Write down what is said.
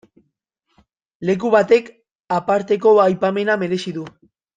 Leku batek aparteko aipamena merezi du.